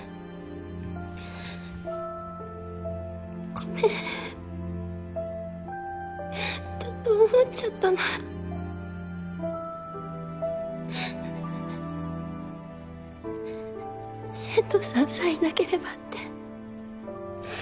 ごめんちょっと思っちゃった千堂さんさえいなければって。